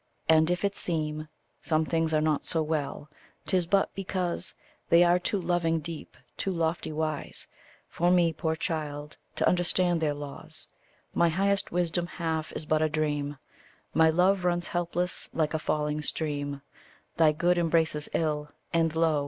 And if it seem Some things are not so well, 'tis but because They are too loving deep, too lofty wise, For me, poor child, to understand their laws: My highest wisdom half is but a dream; My love runs helpless like a falling stream: Thy good embraces ill, and lo!